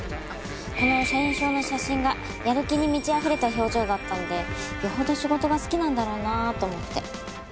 この社員証の写真がやる気に満ちあふれた表情だったので余程仕事が好きなんだろうなと思って。